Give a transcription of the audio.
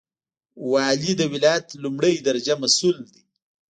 والی د ولایت لومړی درجه مسوول دی